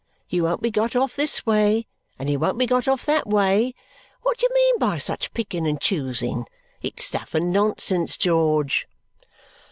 You won't be got off this way, and you won't be got off that way what do you mean by such picking and choosing? It's stuff and nonsense, George."